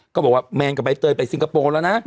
บอกว่าแมนกับใบเตยไปสิงคโปร์แล้วนะ